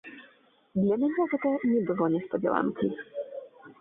Для мяне гэта не было неспадзяванкай.